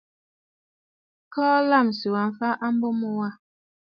Keʼe lâmsì wa mfa a mbo mu wâ.